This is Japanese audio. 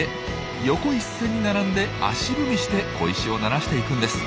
横一線に並んで足踏みして小石をならしていくんです。